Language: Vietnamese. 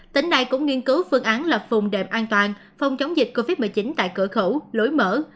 tỉnh này cũng nghiên cứu phương án lập phùng đệm an toàn phòng chống dịch covid một mươi chín tại cửa khẩu lối mở